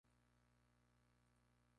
No obstante, sigue con su profesión.